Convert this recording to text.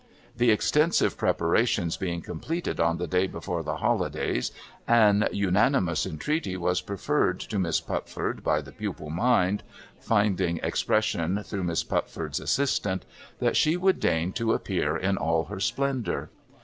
The extensive preparations being completed on the day before the holidays, an unanimous entreaty was preferred to Miss Pupford by the pupil mind — finding expression through Miss Pupford's assistant — that she would deign to appear in all her splendour.